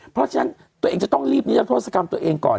เพราะฉะนั้นตัวเองจะต้องรีบนิรัทธศกรรมตัวเองก่อน